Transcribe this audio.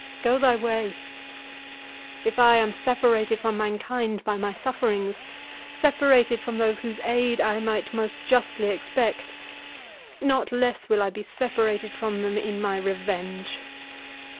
—Go thy way—if I am separated from mankind by my sufferings—separated from those whose aid I might most justly expect—not less will I be separated from them in my revenge!